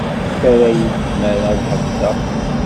Terra-iyi tmara ad ḥebseɣ.